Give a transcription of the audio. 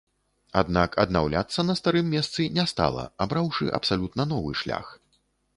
Аднак аднаўляцца на старым месцы не стала, абраўшы абсалютна новы шлях.